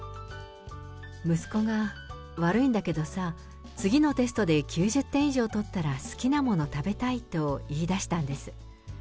息子が、悪いんだけどさ、次のテストで９０点以上取ったら好きなもの食べたいと言い出したんです。